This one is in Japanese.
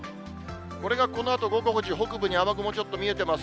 これがこのあと、午後５時、北部に雨雲ちょっと見えてます。